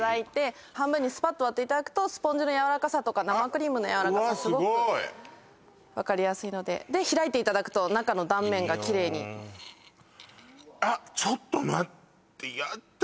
半分にスパッと割るとスポンジのやわらかさとか生クリームのやわらかさがすごくうわっすごい分かりやすいのでで開いていただくと中の断面がきれいにうにょんあっちょっと待ってやっだ